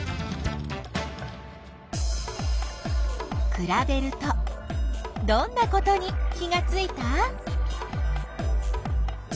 くらべるとどんなことに気がついた？